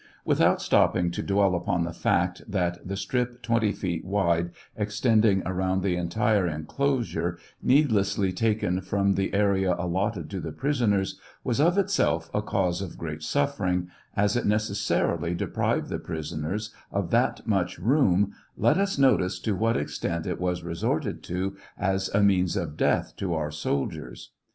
Without stopping to dwell upon the fact that the strip twenty feet wide extending around the entire enclo sure, needlessly taken from the area allotted to the prisoners, was of itself a cause of great suffering, as it necessai'ily deprived the prisoners of that much room, let us notice to what extent it was resorted to as a means of death to our sol diers.